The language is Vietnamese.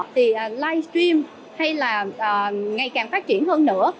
thì live stream hay là ngày càng phát triển hơn nữa